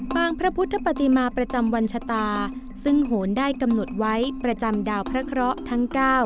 งพระพุทธปฏิมาประจำวันชะตาซึ่งโหนได้กำหนดไว้ประจำดาวพระเคราะห์ทั้ง๙